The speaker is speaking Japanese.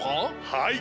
はい。